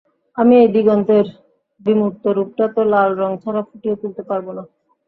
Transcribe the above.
আমি এই দিগন্তের বিমূর্ত রূপটা তো লাল রং ছাড়া ফুটিয়ে তুলতে পারব না!